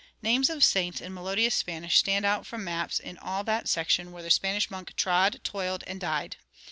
Names of saints in melodious Spanish stand out from maps in all that section where the Spanish monk trod, toiled, and died.